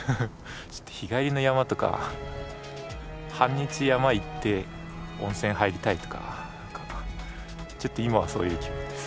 ちょっと日帰りの山とか半日山行って温泉入りたいとか何かちょっと今はそういう気分です。